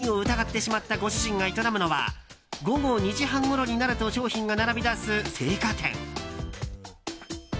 つい耳を疑ってしまったご主人が営むのは午後２時半ごろになると商品が並びだす青果店。